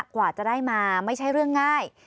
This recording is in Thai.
กว่าจะได้มาไม่ใช่เรื่องง่าย